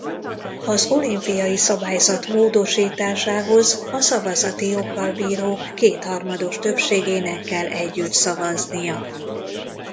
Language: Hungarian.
Az olimpiai szabályzat módosításához a szavazati joggal bírók kétharmados többségének kell együtt szavaznia.